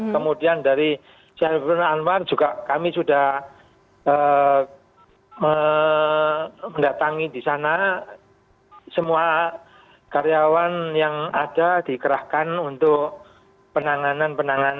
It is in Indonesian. kemudian dari syarifuddin anwar juga kami sudah mendatangi di sana semua karyawan yang ada dikerahkan untuk penanganan penanganan